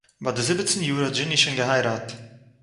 ביי די זיבעצן יאָר האָט דזשיני שוין געהייראַט